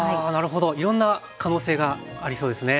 いろんな可能性がありそうですね。